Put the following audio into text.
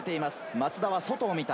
松田は外を見た！